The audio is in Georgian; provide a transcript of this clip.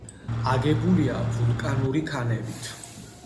აგებულია ვულკანური ქანებით.